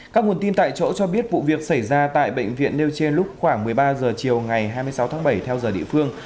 các nguồn tin tại chỗ cho biết vụ việc xảy ra tại bệnh viện nêu trên lúc khoảng một mươi ba h chiều ngày hai mươi sáu tháng bảy theo giờ địa phương